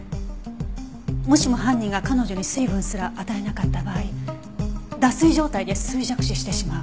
もしも犯人が彼女に水分すら与えなかった場合脱水状態で衰弱死してしまう。